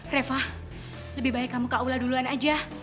reva lebih baik kamu ke aula duluan aja